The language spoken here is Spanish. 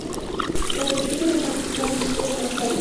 Las subespecies restantes están restringidos a Australia.